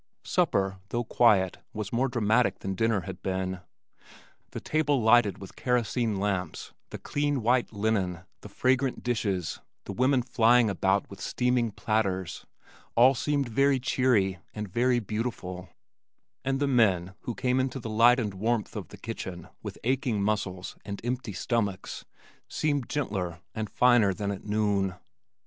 Supper though quiet was more dramatic than dinner had been. The table lighted with kerosene lamps, the clean white linen, the fragrant dishes, the women flying about with steaming platters, all seemed very cheery and very beautiful, and the men who came into the light and warmth of the kitchen with aching muscles and empty stomachs, seemed gentler and finer than at noon.